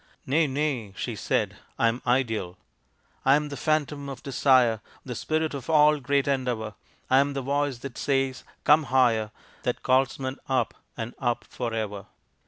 "Nay, nay!" she said, "I am ideal. I am the phantom of desire The spirit of all great endeavor, I am the voice that says, 'Come higher,' That calls men up and up forever.